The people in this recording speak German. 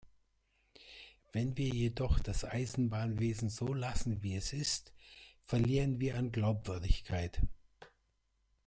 Wenn wir jedoch das Eisenbahnwesen so lassen wie es ist, verlieren wir an Glaubwürdigkeit.